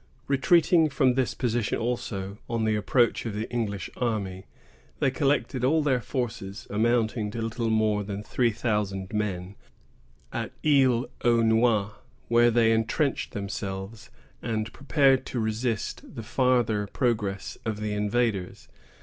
Retreating from this position also, on the approach of the English army, they collected all their forces, amounting to little more than three thousand men, at Isle Aux Noix, where they intrenched themselves, and prepared to resist the farther progress of the invaders.